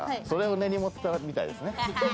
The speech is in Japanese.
それを根に持っていたみたいですね。